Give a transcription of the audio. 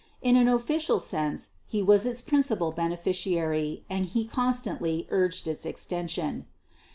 In an official sense, he was its principal beneficiary and he constantly urged its extension.